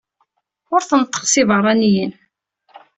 Ur tneṭṭeq s ibeṛṛaniyen.